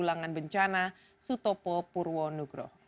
dengan bencana sutopo purwonugro